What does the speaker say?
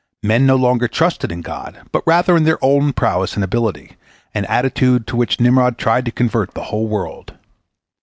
Men no longer trusted in God, but rather in their own prowess and ability, an attitude to which Nimrod tried to convert the whole world.